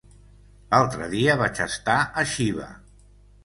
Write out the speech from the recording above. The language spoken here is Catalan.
L'altre dia vaig estar a Xiva.